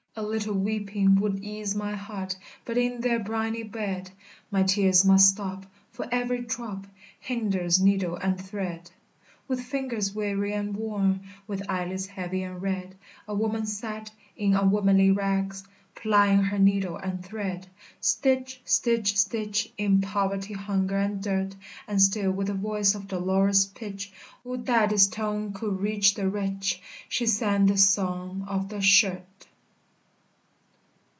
A little weeping would ease my heart; But in their briny bed My tears must stop, for every drop Hinders needle and thread!" With fingers weary and worn, With eyelids heavy and red, A woman sat, in unwomanly rags, Plying her needle and thread, Stitch! stitch! stitch, In poverty, hunger, and dirt; And still with a voice of dolorous pitch Would that its tone could reach the rich! She sang this "Song of the Shirt!"